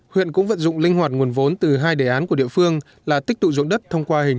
huyện cũng vận dụng linh hoạt nguồn vốn từ hai đề án của địa phương là tích tụ dụng đất thông qua hình